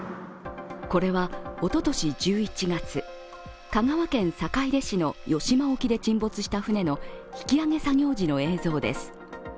これはおととし１１月、香川県坂出市の与島沖で沈没した船の引き揚げ作業時の映像です。